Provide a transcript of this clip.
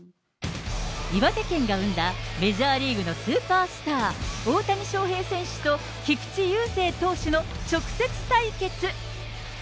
岩手県が生んだメジャーリーグのスーパースター、大谷翔平選手と菊池雄星投手の直接対決。